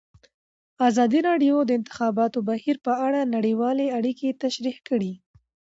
ازادي راډیو د د انتخاباتو بهیر په اړه نړیوالې اړیکې تشریح کړي.